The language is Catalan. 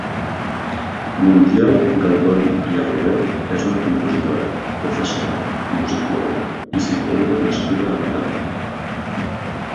Montiel Galdon i Arrué és una compositora, professora, musicòloga i psicòloga nascuda a Mataró.